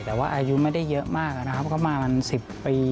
แต่ว่าอายุไม่ได้เยอะมากนะครับ